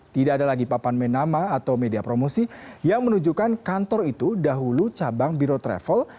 tidak ada lagi papan menama atau media promosi yang menunjukkan kantor itu dahulu cabang biro travel